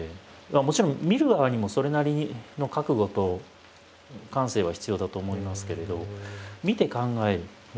もちろん見る側にもそれなりの覚悟と感性は必要だと思いますけれど。